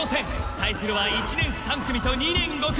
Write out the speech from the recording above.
対するは１年３組と２年５組。